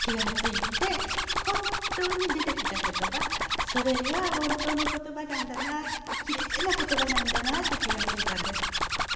本当に出てきた言葉それが本当の言葉なんだなってきれいな言葉なんだなって気が付いたんです。